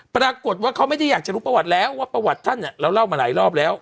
ปรากฏว่าเขาไม่ได้อยากจะรู้ประวัติแล้วว่าประวัติท่านเนี่ยเราเล่ามาหลายรอบแล้ว